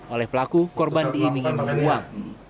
oleh pelaku korban diimingi membuang